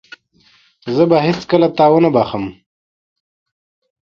زه به هيڅکله تا ونه بخښم.